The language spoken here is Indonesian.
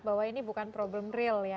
bahwa ini bukan problem real ya